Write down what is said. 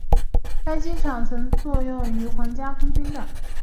该机场曾经用作英国皇家空军的。